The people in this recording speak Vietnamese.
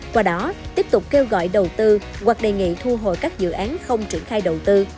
qua đó tiếp tục kêu gọi đầu tư hoặc đề nghị thu hồi các dự án không triển khai đầu tư